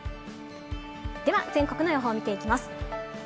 では全国の予報を見ていきます。